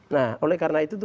nah oleh karena itu